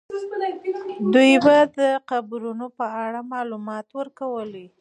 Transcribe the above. دوی به د قبرونو په اړه معلومات ورکولې.